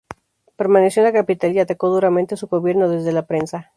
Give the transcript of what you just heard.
Permaneció en la capital y atacó duramente su gobierno desde la prensa.